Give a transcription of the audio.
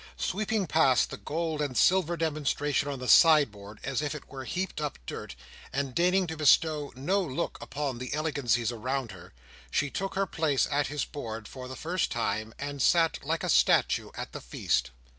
Sweeping past the gold and silver demonstration on the sideboard as if it were heaped up dirt, and deigning to bestow no look upon the elegancies around her, she took her place at his board for the first time, and sat, like a statue, at the feast.